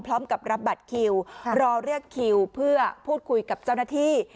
พร้อมกับรับบัตรคิวรอเรียกคิวเพื่อพูดคุยกับเจ้าหน้าที่